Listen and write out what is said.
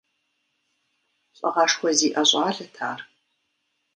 Лӏыгъэшхуэ зиӏэ щӏалэт ар.